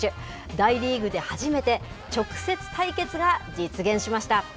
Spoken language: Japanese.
大リーグで初めて直接対決が実現